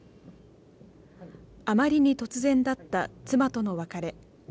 あまりに突然だった妻との別れ。